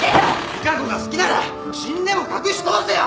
利佳子が好きなら死んでも隠し通せよ。